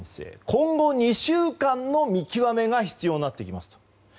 今後２週間の見極めが必要になってきますと。